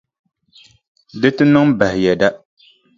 Di ti niŋ bahi yɛda.